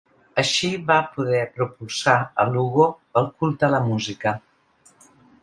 Així va poder propulsar a Lugo el culte a la música.